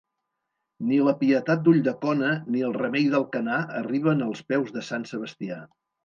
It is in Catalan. Ni la Pietat d'Ulldecona, ni el Remei d'Alcanar arriben als peus de Sant Sebastià.